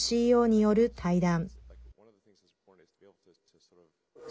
ＣＥＯによる対談。